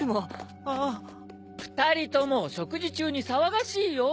二人とも食事中に騒がしいよ。